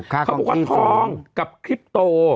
เขาบอกว่าทองกับคลิปโต